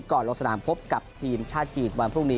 ลงสนามพบกับทีมชาติจีนวันพรุ่งนี้